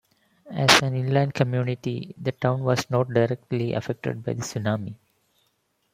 As an inland community, the town was not directly affected by the tsunami.